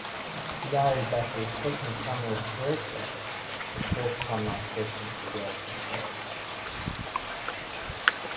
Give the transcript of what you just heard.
Larry Bakke's second summer as director, the first summer session for girls was held.